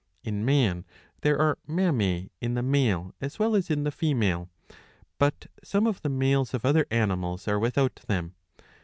In man there are mammae in the male as well as in the female; but some of the males of other animals are without them.